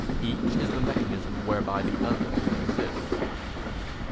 Each is the mechanism whereby the other exists.